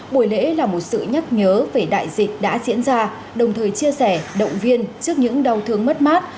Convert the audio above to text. buổi lễ là một sự nhắc nhớ về đại dịch đã diễn ra đồng thời chia sẻ động viên trước những đau thương mất mát